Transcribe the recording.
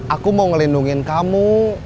aku mau ngelindungin kamu